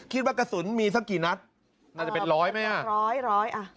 กระสุนมีสักกี่นัดน่าจะเป็นร้อยไหมอ่ะร้อยร้อยอ่ะ